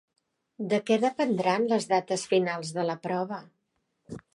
De què dependran les dates finals de la prova?